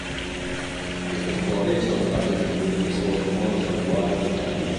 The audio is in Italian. Queste storie sono state distribuite solo in modo saltuario in Italia.